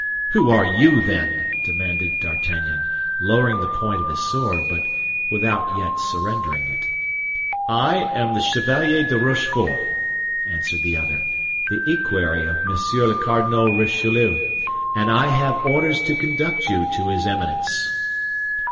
"Who are you, then?" demanded D'Artagnan, lowering the point of his sword, but without yet surrendering it. "I am the Chevalier de Rochefort," answered the other, "the equerry of Monsieur le Cardinal Richelieu, and I have orders to conduct you to his Eminence."